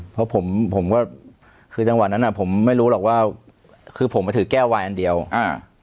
เพราะผมผมก็คือจังหวะนั้นอ่ะผมไม่รู้หรอกว่าคือผมมาถือแก้ววายอันเดียวอ่า